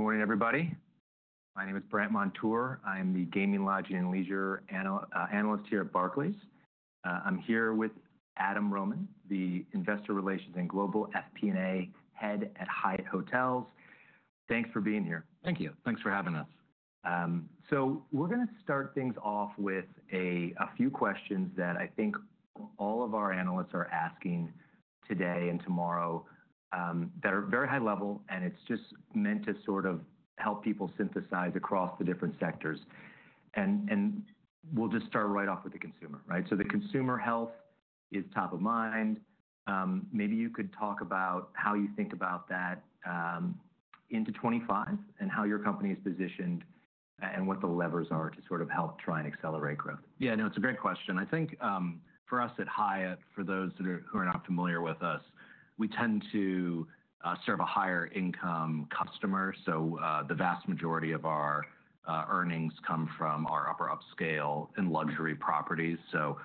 Good morning, everybody. My name is Brandt Montour. I'm the Gaming, Lodging, and Leisure Analyst here at Barclays. I'm here with Adam Rohman, the Investor Relations and Global FP&A Head at Hyatt Hotels. Thanks for being here. Thank you. Thanks for having us. So we're going to start things off with a few questions that I think all of our analysts are asking today and tomorrow that are very high level, and it's just meant to sort of help people synthesize across the different sectors. And we'll just start right off with the consumer, right? So the consumer health is top of mind. Maybe you could talk about how you think about that into 2025 and how your company is positioned and what the levers are to sort of help try and accelerate growth. Yeah, no, it's a great question. I think for us at Hyatt, for those who are not familiar with us, we tend to serve a higher-income customer. So the vast majority of our earnings come from our upper-upscale and luxury properties. So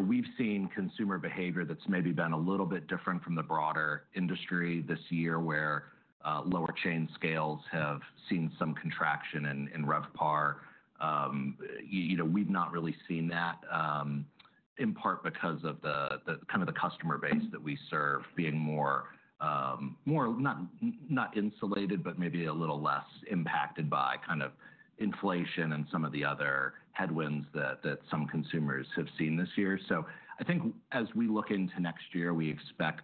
we've seen consumer behavior that's maybe been a little bit different from the broader industry this year, where lower chain scales have seen some contraction in RevPAR. We've not really seen that, in part because of the kind of the customer base that we serve being more not insulated, but maybe a little less impacted by kind of inflation and some of the other headwinds that some consumers have seen this year. So I think as we look into next year, we expect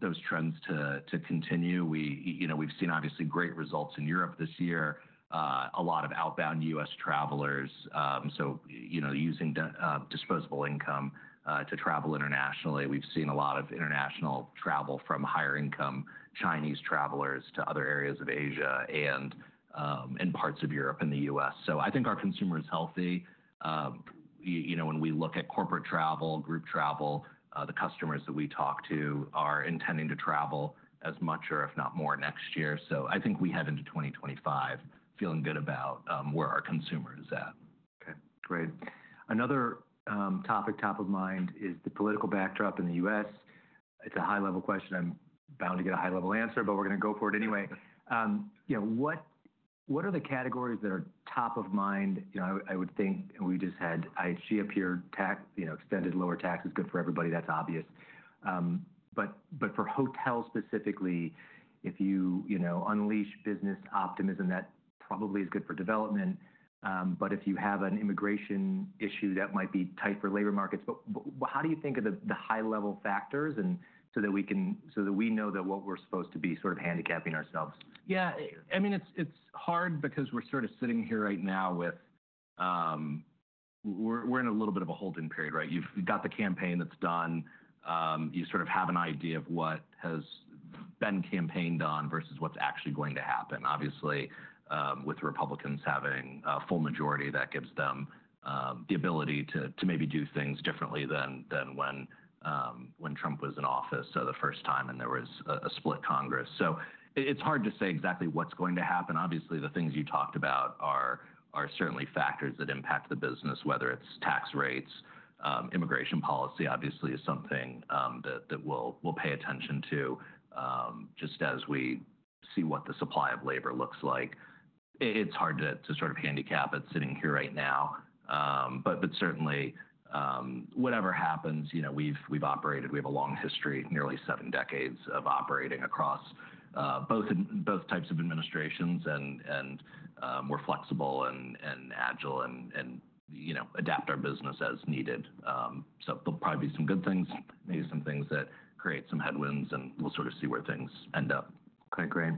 those trends to continue. We've seen, obviously, great results in Europe this year, a lot of outbound US travelers. Using disposable income to travel internationally, we've seen a lot of international travel from higher-income Chinese travelers to other areas of Asia and parts of Europe and the US I think our consumer is healthy. When we look at corporate travel, group travel, the customers that we talk to are intending to travel as much or, if not more, next year. I think we head into 2025 feeling good about where our consumer is at. Okay, great. Another topic top of mind is the political backdrop in the US It's a high-level question. I'm bound to get a high-level answer, but we're going to go for it anyway. What are the categories that are top of mind? I would think we just had IHG up here, extended lower tax is good for everybody. That's obvious, but for hotels specifically, if you unleash business optimism, that probably is good for development, but if you have an immigration issue, that might be tight for labor markets, but how do you think of the high-level factors so that we know what we're supposed to be sort of handicapping ourselves? Yeah, I mean, it's hard because we're sort of sitting here right now with we're in a little bit of a holding period, right? You've got the campaign that's done. You sort of have an idea of what has been campaigned on versus what's actually going to happen, obviously, with Republicans having a full majority. That gives them the ability to maybe do things differently than when Trump was in office the first time and there was a split Congress. So it's hard to say exactly what's going to happen. Obviously, the things you talked about are certainly factors that impact the business, whether it's tax rates, immigration policy, obviously, is something that we'll pay attention to just as we see what the supply of labor looks like. It's hard to sort of handicap it sitting here right now. But certainly, whatever happens, we've operated. We have a long history, nearly seven decades, of operating across both types of administrations. And we're flexible and agile and adapt our business as needed. So there'll probably be some good things, maybe some things that create some headwinds, and we'll sort of see where things end up. Okay, great.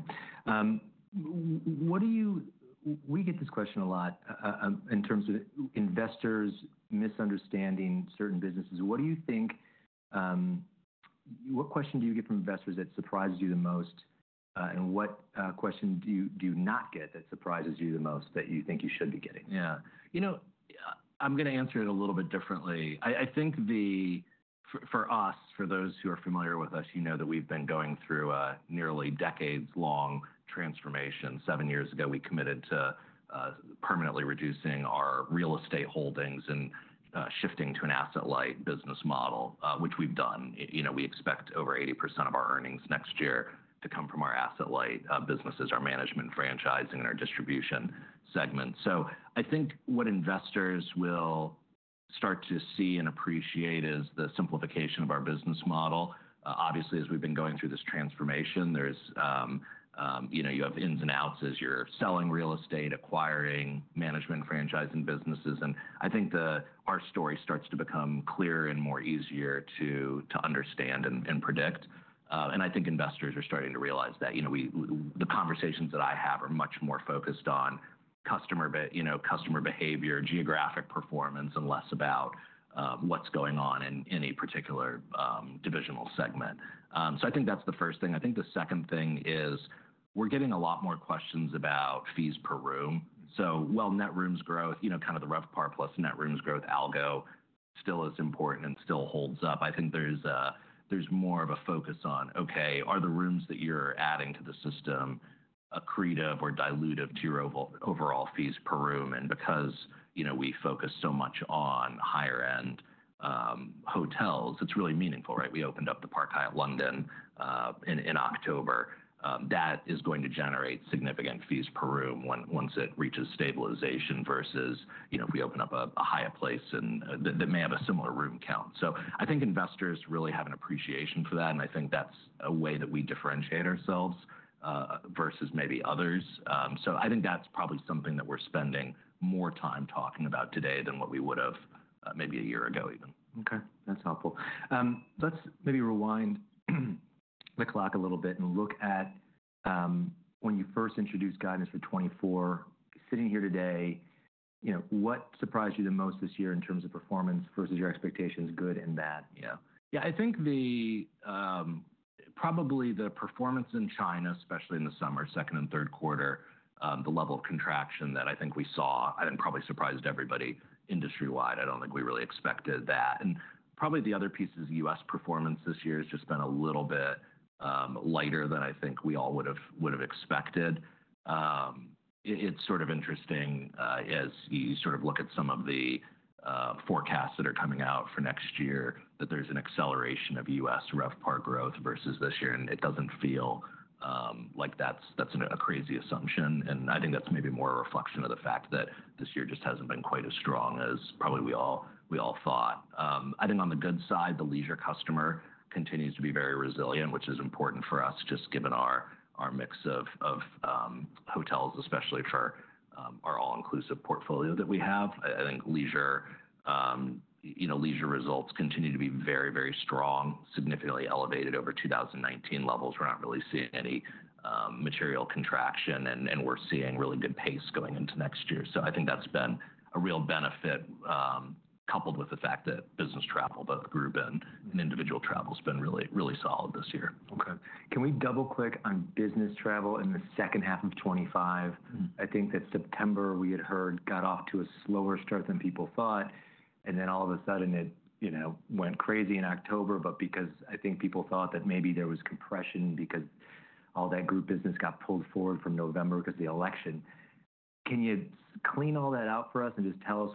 We get this question a lot in terms of investors misunderstanding certain businesses. What do you think? What question do you get from investors that surprises you the most? And what question do you not get that surprises you the most that you think you should be getting? Yeah, you know I'm going to answer it a little bit differently. I think for us, for those who are familiar with us, you know that we've been going through a nearly decades-long transformation. Seven years ago, we committed to permanently reducing our real estate holdings and shifting to an asset-light business model, which we've done. We expect over 80% of our earnings next year to come from our asset-light businesses, our management, franchising, and our distribution segments. So I think what investors will start to see and appreciate is the simplification of our business model. Obviously, as we've been going through this transformation, you have ins and outs as you're selling real estate, acquiring management, franchising businesses. And I think our story starts to become clearer and more easier to understand and predict. I think investors are starting to realize that the conversations that I have are much more focused on customer behavior, geographic performance, and less about what's going on in any particular divisional segment. So I think that's the first thing. I think the second thing is we're getting a lot more questions about fees per room. So while net rooms growth, kind of the RevPAR plus net rooms growth algo still is important and still holds up, I think there's more of a focus on, okay, are the rooms that you're adding to the system accretive or dilutive to your overall fees per room? And because we focus so much on higher-end hotels, it's really meaningful, right? We opened up the Park Hyatt London in October. That is going to generate significant fees per room once it reaches stabilization versus if we open up a Hyatt Place that may have a similar room count. So I think investors really have an appreciation for that. And I think that's a way that we differentiate ourselves versus maybe others. So I think that's probably something that we're spending more time talking about today than what we would have maybe a year ago even. Okay, that's helpful. Let's maybe rewind the clock a little bit and look at when you first introduced guidance for 2024. Sitting here today, what surprised you the most this year in terms of performance versus your expectations, good and bad? Yeah, I think probably the performance in China, especially in the summer, second and Q3, the level of contraction that I think we saw, I think probably surprised everybody industry-wide. I don't think we really expected that. And probably the other piece is US performance this year has just been a little bit lighter than I think we all would have expected. It's sort of interesting as you sort of look at some of the forecasts that are coming out for next year that there's an acceleration of US RevPAR growth versus this year. And it doesn't feel like that's a crazy assumption. And I think that's maybe more a reflection of the fact that this year just hasn't been quite as strong as probably we all thought. I think on the good side, the leisure customer continues to be very resilient, which is important for us just given our mix of hotels, especially for our all-inclusive portfolio that we have. I think leisure results continue to be very, very strong, significantly elevated over 2019 levels. We're not really seeing any material contraction. And we're seeing really good pace going into next year. So I think that's been a real benefit coupled with the fact that business travel, both group and individual travel, has been really solid this year. Okay. Can we double-click on business travel in the second half of 2025? I think that September, we had heard, got off to a slower start than people thought. And then all of a sudden, it went crazy in October. But because I think people thought that maybe there was compression because all that group business got pulled forward from November because of the election. Can you clean all that out for us and just tell us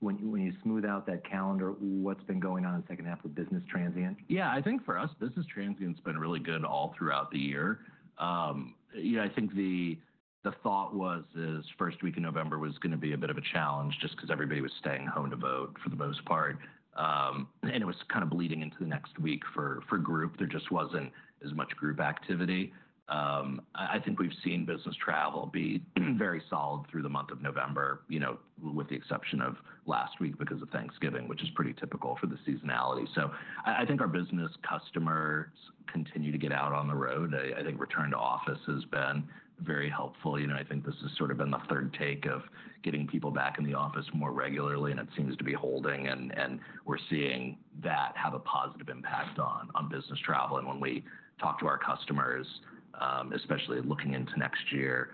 when you smooth out that calendar, what's been going on in the second half of business transient? Yeah, I think for us, business transient's been really good all throughout the year. I think the thought was this first week of November was going to be a bit of a challenge just because everybody was staying home to vote for the most part. And it was kind of bleeding into the next week for group. There just wasn't as much group activity. I think we've seen business travel be very solid through the month of November, with the exception of last week because of Thanksgiving, which is pretty typical for the seasonality. So I think our business customers continue to get out on the road. I think return to office has been very helpful. I think this has sort of been the third take of getting people back in the office more regularly. And it seems to be holding. We're seeing that have a positive impact on business travel. When we talk to our customers, especially looking into next year,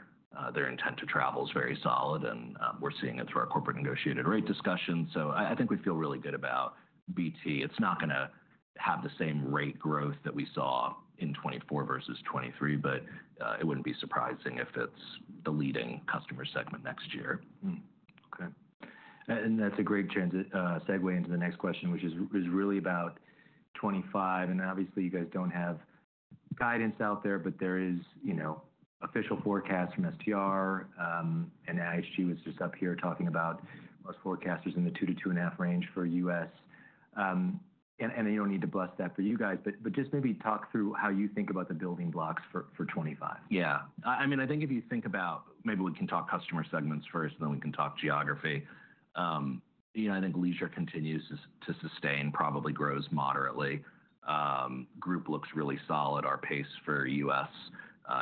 their intent to travel is very solid. We're seeing it through our corporate negotiated rate discussion. I think we feel really good about BT. It's not going to have the same rate growth that we saw in 2024 versus 2023, but it wouldn't be surprising if it's the leading customer segment next year. Okay. And that's a great segue into the next question, which is really about 2025. And obviously, you guys don't have guidance out there, but there is official forecast from STR. And IHG was just up here talking about most forecasters in the 2% to 2.5% range for US And you don't need to bust that for you guys, but just maybe talk through how you think about the building blocks for 2025. Yeah. I mean, I think if you think about maybe we can talk customer segments first, and then we can talk geography. I think leisure continues to sustain, probably grows moderately. Group looks really solid. Our pace for US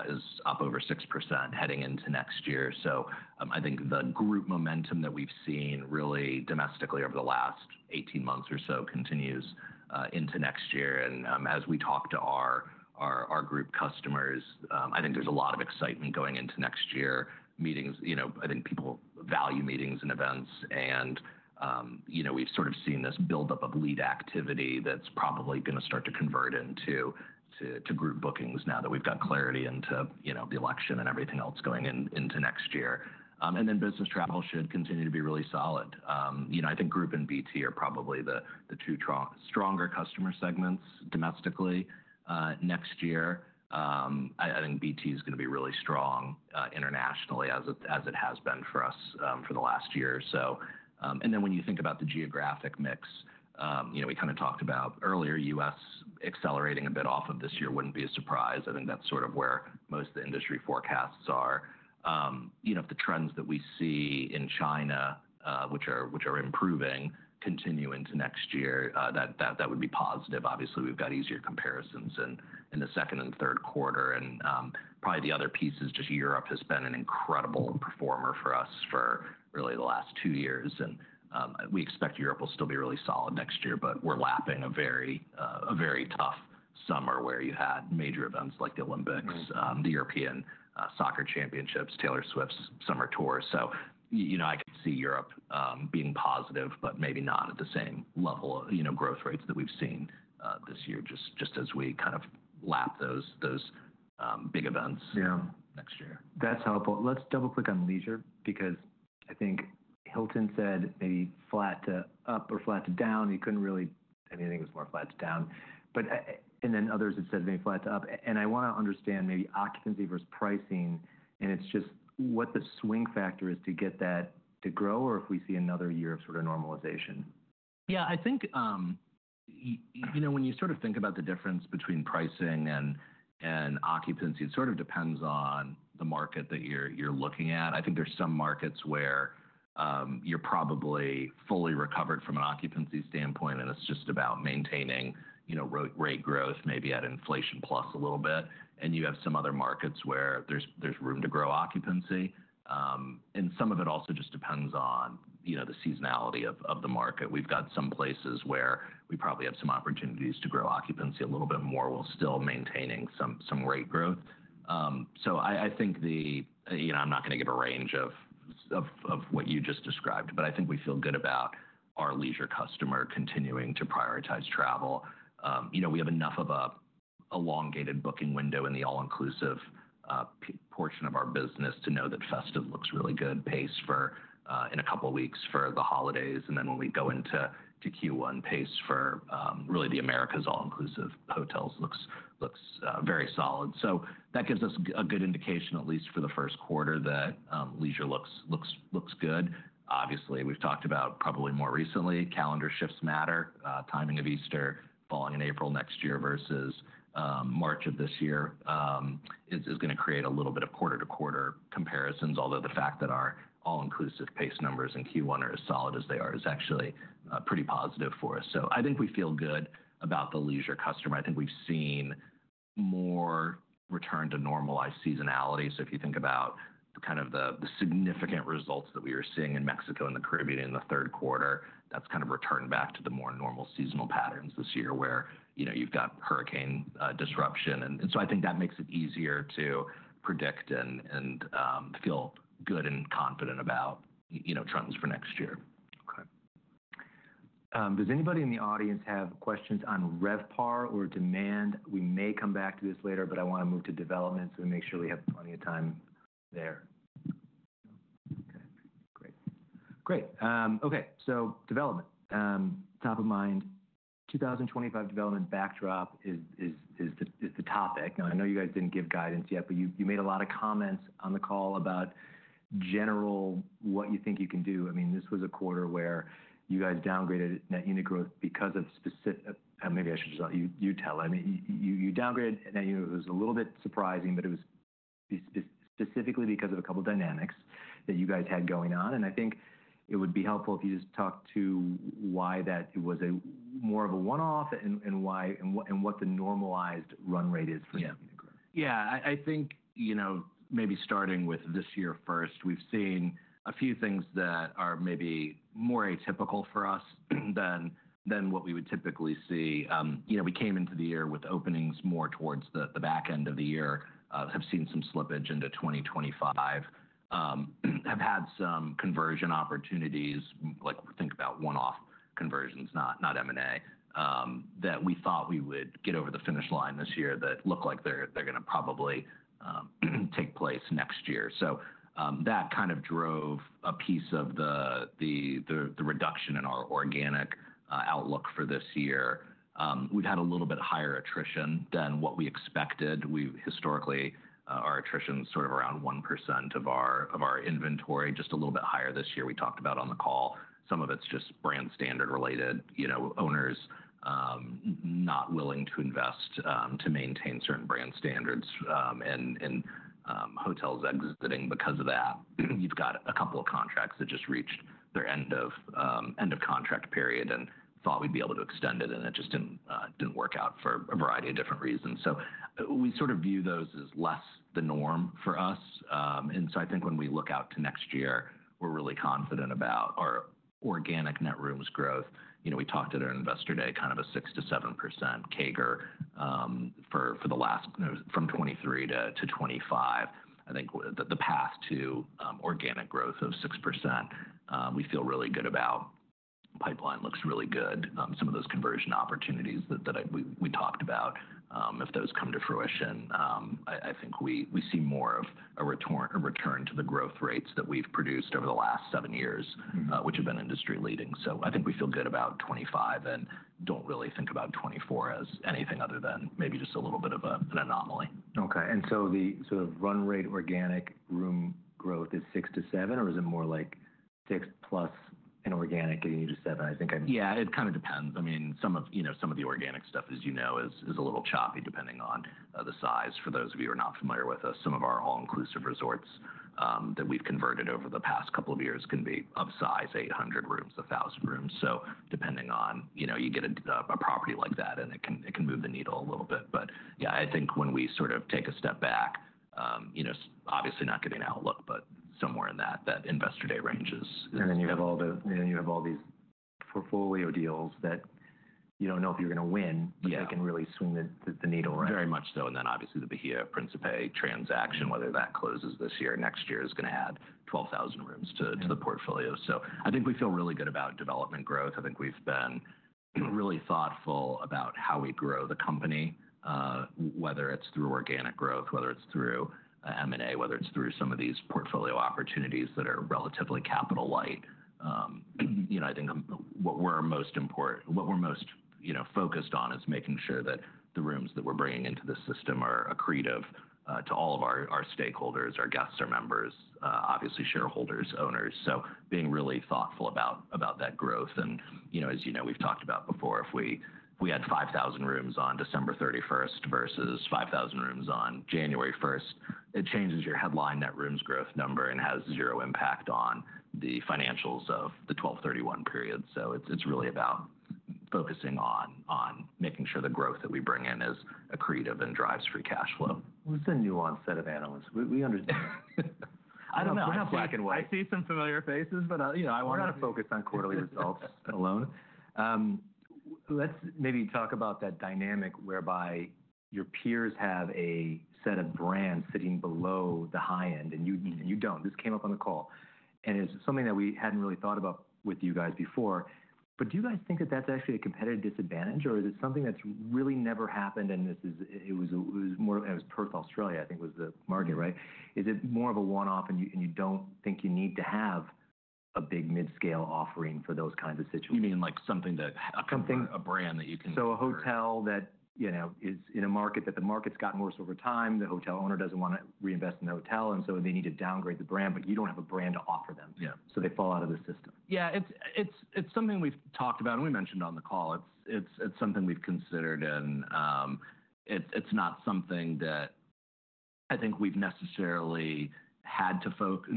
is up over 6% heading into next year. So I think the group momentum that we've seen really domestically over the last 18 months or so continues into next year. And as we talk to our group customers, I think there's a lot of excitement going into next year meetings. I think people value meetings and events. And we've sort of seen this buildup of lead activity that's probably going to start to convert into group bookings now that we've got clarity into the election and everything else going into next year. And then business travel should continue to be really solid. I think group and BT are probably the two stronger customer segments domestically next year. I think BT is going to be really strong internationally as it has been for us for the last year or so. And then when you think about the geographic mix, we kind of talked about earlier, US accelerating a bit off of this year wouldn't be a surprise. I think that's sort of where most of the industry forecasts are. If the trends that we see in China, which are improving, continue into next year, that would be positive. Obviously, we've got easier comparisons in the second and Q3. And probably the other piece is just Europe has been an incredible performer for us for really the last two years. We expect Europe will still be really solid next year, but we're lapping a very tough summer where you had major events like the Olympics, the European soccer championships, Taylor Swift Summer Tour. I could see Europe being positive, but maybe not at the same level of growth rates that we've seen this year just as we kind of lap those big events next year. That's helpful. Let's double-click on leisure because I think Hilton said maybe flat to up or flat to down. You couldn't really say anything was more flat to down. And then others had said maybe flat to up. And I want to understand maybe occupancy versus pricing. And it's just what the swing factor is to get that to grow or if we see another year of sort of normalization. Yeah, I think when you sort of think about the difference between pricing and occupancy, it sort of depends on the market that you're looking at. I think there's some markets where you're probably fully recovered from an occupancy standpoint, and it's just about maintaining rate growth, maybe at inflation plus a little bit. And you have some other markets where there's room to grow occupancy. And some of it also just depends on the seasonality of the market. We've got some places where we probably have some opportunities to grow occupancy a little bit more while still maintaining some rate growth. So I think I'm not going to give a range of what you just described, but I think we feel good about our leisure customer continuing to prioritize travel. We have enough of an elongated booking window in the all-inclusive portion of our business to know that festive looks really good pace in a couple of weeks for the holidays, and then when we go into Q1 pace for really the America's all-inclusive hotels looks very solid, so that gives us a good indication, at least for the Q1, that leisure looks good. Obviously, we've talked about probably more recently calendar shifts matter. Timing of Easter falling in April next year versus March of this year is going to create a little bit of quarter-to-quarter comparisons, although the fact that our all-inclusive pace numbers in Q1 are as solid as they are is actually pretty positive for us, so I think we feel good about the leisure customer. I think we've seen more return to normalized seasonality. So if you think about kind of the significant results that we were seeing in Mexico and the Caribbean in the Q3, that's kind of returned back to the more normal seasonal patterns this year where you've got hurricane disruption. And so I think that makes it easier to predict and feel good and confident about trends for next year. Okay. Does anybody in the audience have questions on RevPAR or demand? We may come back to this later, but I want to move to developments and make sure we have plenty of time there. Okay, great. Great. Okay, so development. Top of mind, 2025 development backdrop is the topic. And I know you guys didn't give guidance yet, but you made a lot of comments on the call about general what you think you can do. I mean, this was a quarter where you guys downgraded net unit growth because of specific maybe I should just let you tell. I mean, you downgraded net unit. It was a little bit surprising, but it was specifically because of a couple of dynamics that you guys had going on. I think it would be helpful if you just talked to why that was more of a one-off and what the normalized run rate is for net unit growth. Yeah, I think maybe starting with this year first, we've seen a few things that are maybe more atypical for us than what we would typically see. We came into the year with openings more towards the back end of the year, have seen some slippage into 2025, have had some conversion opportunities, like think about one-off conversions, not M&A, that we thought we would get over the finish line this year that look like they're going to probably take place next year. So that kind of drove a piece of the reduction in our organic outlook for this year. We've had a little bit higher attrition than what we expected. Historically, our attrition is sort of around 1% of our inventory, just a little bit higher this year. We talked about on the call, some of it's just brand standard related, owners not willing to invest to maintain certain brand standards and hotels exiting because of that. You've got a couple of contracts that just reached their end of contract period and thought we'd be able to extend it, and it just didn't work out for a variety of different reasons, so we sort of view those as less the norm for us, and so I think when we look out to next year, we're really confident about our organic net rooms growth. We talked at our investor day, kind of a 6% to 7% CAGR for the last from 2023 to 2025. I think the path to organic growth of 6%, we feel really good about. Pipeline looks really good. Some of those conversion opportunities that we talked about, if those come to fruition, I think we see more of a return to the growth rates that we've produced over the last seven years, which have been industry leading. So I think we feel good about 2025 and don't really think about 2024 as anything other than maybe just a little bit of an anomaly. Okay, and so the sort of run rate organic room growth is 6% to 7%, or is it more like 6% plus an organic getting you to 7%? I think I'm. Yeah, it kind of depends. I mean, some of the organic stuff, as you know, is a little choppy depending on the size. For those of you who are not familiar with us, some of our all-inclusive resorts that we've converted over the past couple of years can be of size 800 rooms, 1,000 rooms. So depending on you get a property like that, and it can move the needle a little bit. But yeah, I think when we sort of take a step back, obviously not getting an outlook, but somewhere in that investor day range is. You have all these portfolio deals that you don't know if you're going to win, but they can really swing the needle around. Very much so. And then obviously the Bahía Príncipe transaction, whether that closes this year or next year, is going to add 12,000 rooms to the portfolio. So I think we feel really good about development growth. I think we've been really thoughtful about how we grow the company, whether it's through organic growth, whether it's through M&A, whether it's through some of these portfolio opportunities that are relatively capital light. I think what we're most focused on is making sure that the rooms that we're bringing into the system are accretive to all of our stakeholders, our guests, our members, obviously shareholders, owners. So being really thoughtful about that growth. As you know, we've talked about before, if we had 5,000 rooms on 31 December versus 5,000 rooms on 1 January, it changes your headline net rooms growth number and has zero impact on the financials of the 12/31 period. It's really about focusing on making sure the growth that we bring in is accretive and drives free cash flow. What's the nuanced set of analysts? We understand. I don't know. We're not black and white. I see some familiar faces, but I... want to focus on quarterly results alone. Let's maybe talk about that dynamic whereby your peers have a set of brands sitting below the high end, and you don't. This came up on the call, and it's something that we hadn't really thought about with you guys before. But do you guys think that that's actually a competitive disadvantage, or is it something that's really never happened and it was Perth, Australia, I think was the market, right? Is it more of a one-off, and you don't think you need to have a big mid-scale offering for those kinds of situations. You mean like something that a brand that you can. So a hotel that is in a market that the market's gotten worse over time. The hotel owner doesn't want to reinvest in the hotel, and so they need to downgrade the brand, but you don't have a brand to offer them. So they fall out of the system. Yeah. It's something we've talked about, and we mentioned on the call. It's something we've considered, and it's not something that I think we've necessarily had to focus.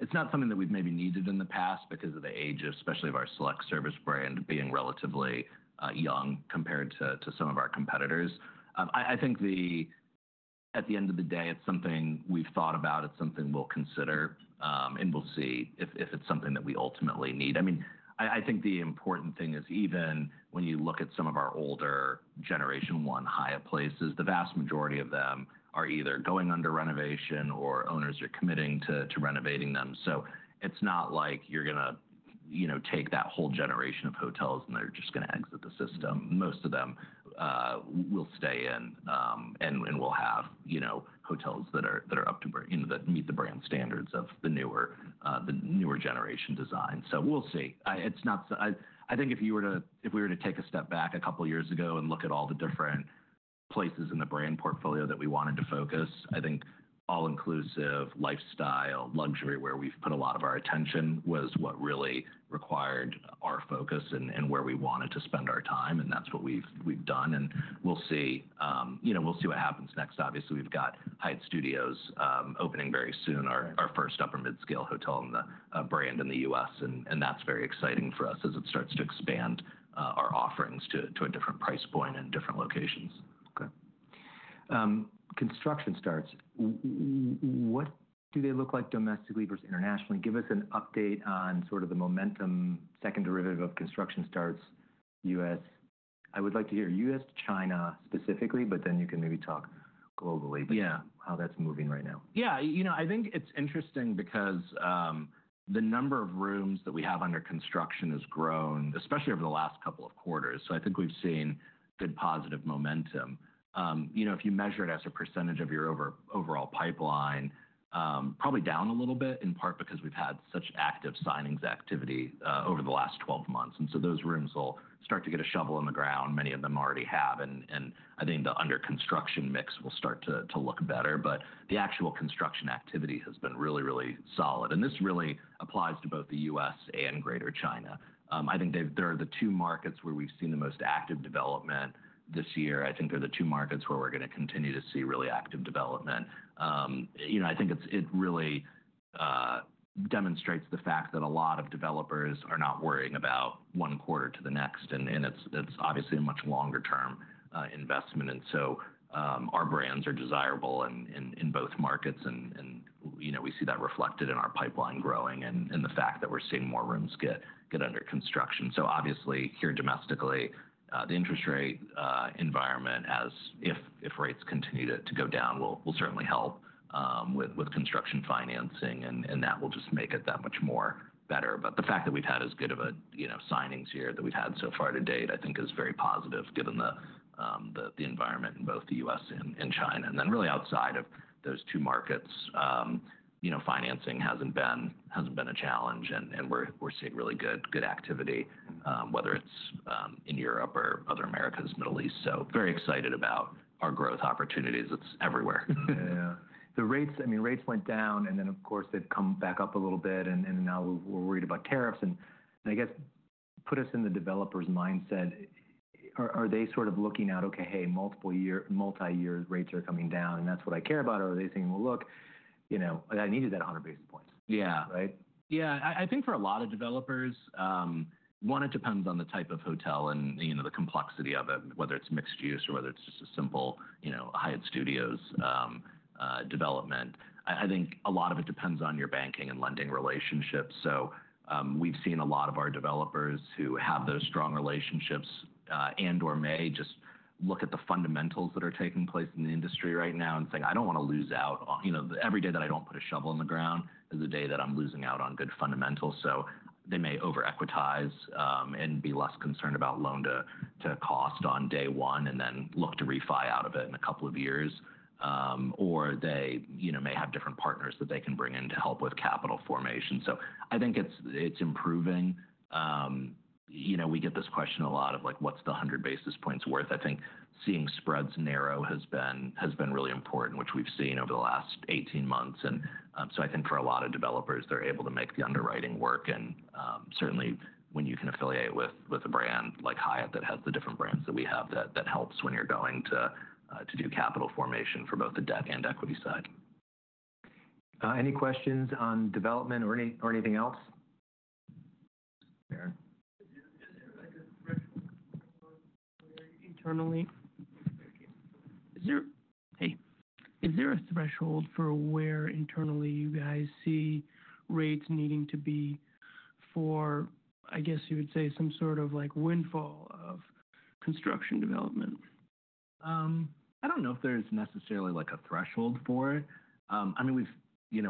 It's not something that we've maybe needed in the past because of the age, especially of our select service brand being relatively young compared to some of our competitors. I think at the end of the day, it's something we've thought about. It's something we'll consider, and we'll see if it's something that we ultimately need. I mean, I think the important thing is even when you look at some of our older generation one Hyatt Places, the vast majority of them are either going under renovation or owners are committing to renovating them. So it's not like you're going to take that whole generation of hotels, and they're just going to exit the system. Most of them will stay in, and we'll have hotels that are up to meet the brand standards of the newer generation design, so we'll see. I think if we were to take a step back a couple of years ago and look at all the different places in the brand portfolio that we wanted to focus, I think all-inclusive, lifestyle, luxury, where we've put a lot of our attention was what really required our focus and where we wanted to spend our time, and that's what we've done, and we'll see what happens next. Obviously, we've got Hyatt Studios opening very soon, our first upper-midscale hotel brand in the US, and that's very exciting for us as it starts to expand our offerings to a different price point and different locations. Okay. Construction starts. What do they look like domestically versus internationally? Give us an update on sort of the momentum second derivative of construction starts US I would like to hear US to China specifically, but then you can maybe talk globally, but how that's moving right now. Yeah. You know, I think it's interesting because the number of rooms that we have under construction has grown, especially over the last couple of quarters. So I think we've seen good positive momentum. If you measure it as a percentage of your overall pipeline, probably down a little bit in part because we've had such active signings activity over the last 12 months. And so those rooms will start to get a shovel in the ground. Many of them already have. And I think the under construction mix will start to look better. But the actual construction activity has been really, really solid. And this really applies to both the US and Greater China. I think there are the two markets where we've seen the most active development this year. I think they're the two markets where we're going to continue to see really active development. I think it really demonstrates the fact that a lot of developers are not worrying about one quarter to the next, and it's obviously a much longer-term investment, and so our brands are desirable in both markets. We see that reflected in our pipeline growing and the fact that we're seeing more rooms get under construction. Obviously here domestically, the interest rate environment, if rates continue to go down, will certainly help with construction financing, and that will just make it that much more better. The fact that we've had as good of a signings year that we've had so far to date, I think is very positive given the environment in both the US and China, and then really outside of those two markets, financing hasn't been a challenge. We're seeing really good activity, whether it's in Europe or other Americas, Middle East. So very excited about our growth opportunities. It's everywhere. Yeah. The rates, I mean, rates went down, and then of course they've come back up a little bit. And now we're worried about tariffs. And I guess put us in the developer's mindset. Are they sort of looking out, okay, hey, multi-year rates are coming down, and that's what I care about? Or are they saying, well, look, I needed that 100 basis points? Yeah. Right? Yeah. I think for a lot of developers, one, it depends on the type of hotel and the complexity of it, whether it's mixed use or whether it's just a simple Hyatt Studios development. I think a lot of it depends on your banking and lending relationships. So we've seen a lot of our developers who have those strong relationships and/or may just look at the fundamentals that are taking place in the industry right now and say, I don't want to lose out. Every day that I don't put a shovel in the ground is the day that I'm losing out on good fundamentals. So they may over-equitize and be less concerned about loan-to-cost on day one and then look to refi out of it in a couple of years. Or they may have different partners that they can bring in to help with capital formation. So I think it's improving. We get this question a lot of what's the 100 basis points worth? I think seeing spreads narrow has been really important, which we've seen over the last 18 months. And so I think for a lot of developers, they're able to make the underwriting work. And certainly when you can affiliate with a brand like Hyatt that has the different brands that we have, that helps when you're going to do capital formation for both the debt and equity side. Any questions on development or anything else? Is there a threshold for where internally you guys see rates needing to be for, I guess you would say, some sort of windfall of construction development? I don't know if there's necessarily a threshold for it. I mean,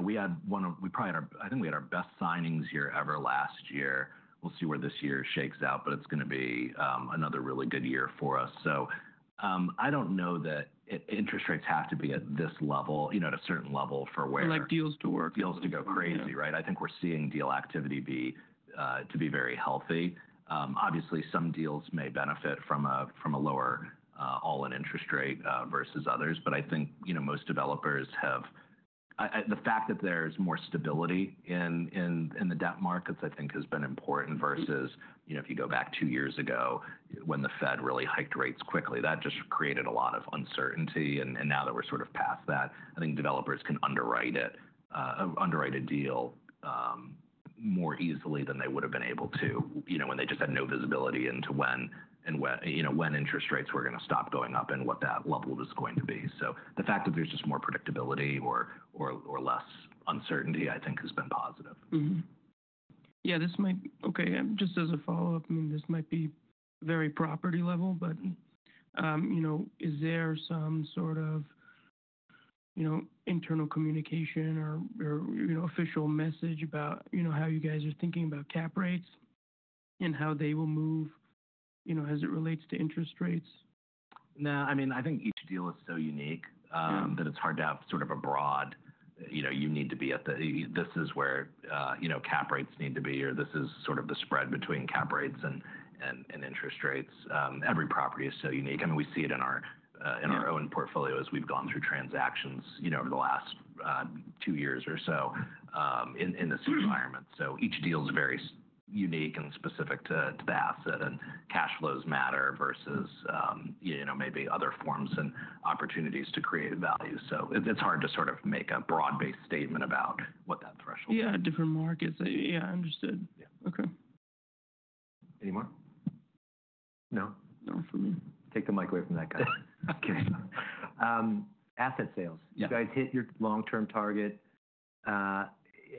we had one of, I think we had our best signings year ever last year. We'll see where this year shakes out, but it's going to be another really good year for us. So I don't know that interest rates have to be at this level, at a certain level for where. Like deals to work. Deals to go crazy, right? I think we're seeing deal activity to be very healthy. Obviously, some deals may benefit from a lower all-in interest rate versus others but I think most developers have the fact that there's more stability in the debt markets, I think has been important versus if you go back two years ago when the Fed really hiked rates quickly, that just created a lot of uncertainty and now that we're sort of past that, I think developers can underwrite a deal more easily than they would have been able to when they just had no visibility into when interest rates were going to stop going up and what that level was going to be so the fact that there's just more predictability or less uncertainty, I think has been positive. Yeah. Okay. Just as a follow-up, I mean, this might be very property level, but is there some sort of internal communication or official message about how you guys are thinking about cap rates and how they will move as it relates to interest rates? No. I mean, I think each deal is so unique that it's hard to have sort of a broad, you need to be at the, this is where cap rates need to be, or this is sort of the spread between cap rates and interest rates. Every property is so unique. I mean, we see it in our own portfolios as we've gone through transactions over the last two years or so in this environment. So each deal is very unique and specific to the asset, and cash flows matter versus maybe other forms and opportunities to create value. So it's hard to sort of make a broad-based statement about what that threshold is. Yeah. Different markets. Yeah. Understood. Okay. Any more? No. No for me. Take the mic away from that guy. Okay. Asset sales. You guys hit your long-term target.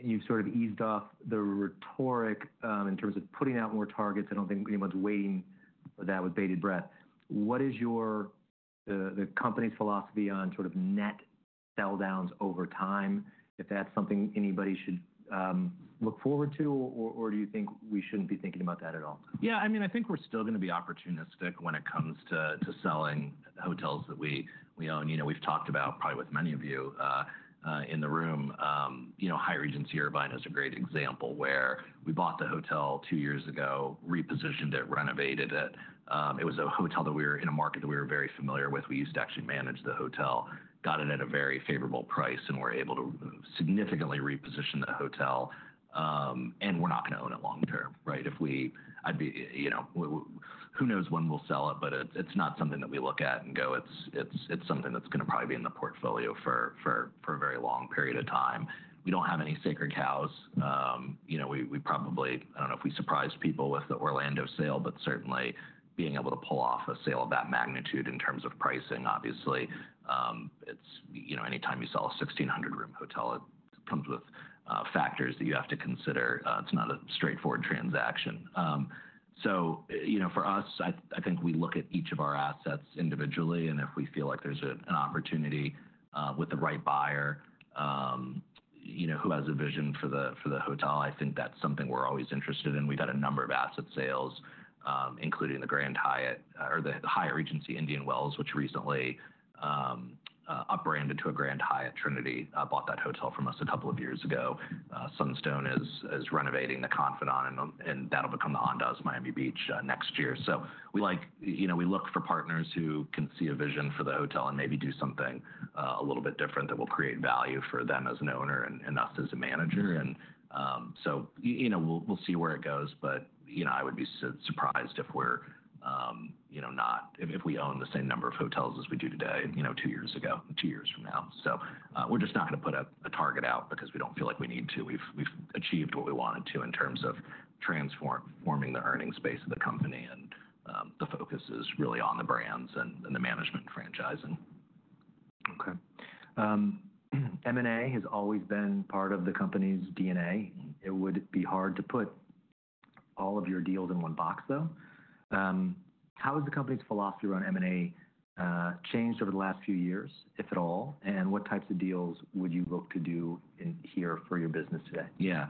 You've sort of eased off the rhetoric in terms of putting out more targets. I don't think anyone's waiting for that with bated breath. What is the company's philosophy on sort of net sell-downs over time? If that's something anybody should look forward to, or do you think we shouldn't be thinking about that at all? Yeah. I mean, I think we're still going to be opportunistic when it comes to selling hotels that we own. We've talked about, probably with many of you in the room. Hyatt Regency Irvine is a great example where we bought the hotel two years ago, repositioned it, renovated it. It was a hotel that we were in a market that we were very familiar with. We used to actually manage the hotel, got it at a very favorable price, and were able to significantly reposition the hotel. And we're not going to own it long-term, right? Who knows when we'll sell it, but it's not something that we look at and go, it's something that's going to probably be in the portfolio for a very long period of time. We don't have any sacred cows. I don't know if we surprised people with the Orlando sale, but certainly being able to pull off a sale of that magnitude in terms of pricing. Obviously, anytime you sell a 1,600-room hotel, it comes with factors that you have to consider. It's not a straightforward transaction. So for us, I think we look at each of our assets individually. And if we feel like there's an opportunity with the right buyer who has a vision for the hotel, I think that's something we're always interested in. We've had a number of asset sales, including the Grand Hyatt or the Hyatt Regency Indian Wells, which recently up branded to a Grand Hyatt. Trinity bought that hotel from us a couple of years ago. Sunstone is renovating the Confidante, and that'll become the Andaz Miami Beach next year. So we look for partners who can see a vision for the hotel and maybe do something a little bit different that will create value for them as an owner and us as a manager. And so we'll see where it goes, but I would be surprised if we're not, if we own the same number of hotels as we do today, two years from now. So we're just not going to put a target out because we don't feel like we need to. We've achieved what we wanted to in terms of transforming the earnings base of the company. And the focus is really on the brands and the management and franchising. Okay. M&A has always been part of the company's DNA. It would be hard to put all of your deals in one box, though. How has the company's philosophy around M&A changed over the last few years, if at all? And what types of deals would you look to do here for your business today? Yeah.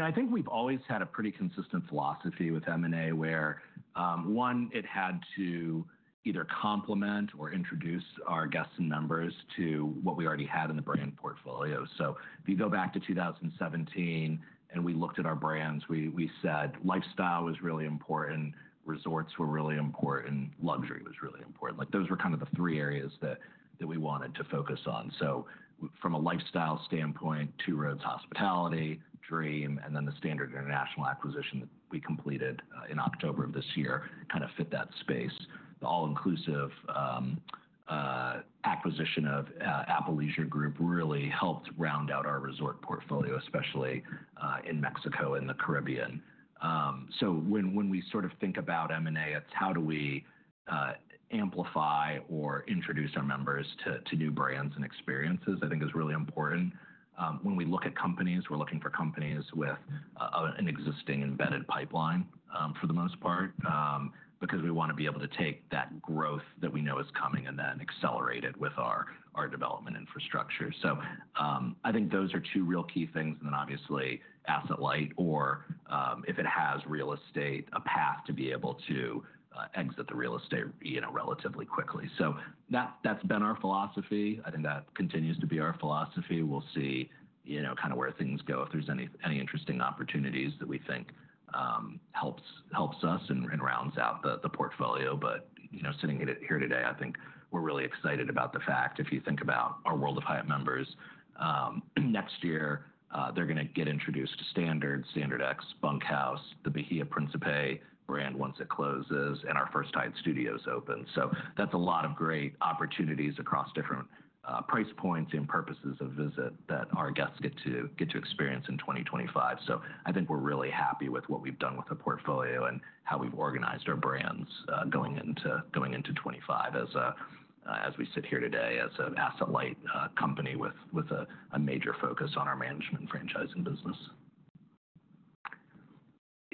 I think we've always had a pretty consistent philosophy with M&A where, one, it had to either complement or introduce our guests and members to what we already had in the brand portfolio. So if you go back to 2017 and we looked at our brands, we said lifestyle was really important, resorts were really important, luxury was really important. Those were kind of the three areas that we wanted to focus on. So from a lifestyle standpoint, Two Roads Hospitality, Dream, and then the Standard International Acquisition that we completed in October of this year kind of fit that space. The all-inclusive acquisition of Apple Leisure Group really helped round out our resort portfolio, especially in Mexico and the Caribbean. So when we sort of think about M&A, it's how do we amplify or introduce our members to new brands and experiences, I think is really important. When we look at companies, we're looking for companies with an existing embedded pipeline for the most part because we want to be able to take that growth that we know is coming and then accelerate it with our development infrastructure, so I think those are two real key things, and then obviously asset light or if it has real estate, a path to be able to exit the real estate relatively quickly. So that's been our philosophy. I think that continues to be our philosophy. We'll see kind of where things go if there's any interesting opportunities that we think helps us and rounds out the portfolio, but sitting here today, I think we're really excited about the fact. If you think about our World of Hyatt members, next year, they're going to get introduced to Standard, StandardX, Bunkhouse, the Bahía Príncipe brand once it closes, and our first Hyatt Studios opens. So that's a lot of great opportunities across different price points and purposes of visit that our guests get to experience in 2025. So I think we're really happy with what we've done with the portfolio and how we've organized our brands going into 2025 as we sit here today as an asset-light company with a major focus on our management franchising business.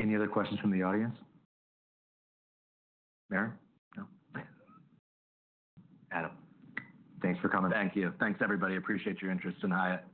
Any other questions from the audience? No. Adam Thanks for coming. Thank you. Thanks, everybody. Appreciate your interest in Hyatt.